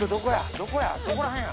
どこら辺や？